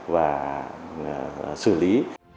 và xử lý